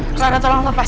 aku mau jangan salah paham